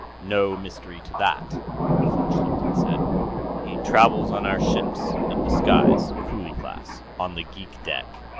"No mystery to that," von Schlichten said. "He travels on our ships, in disguise, coolie class, on the geek deck."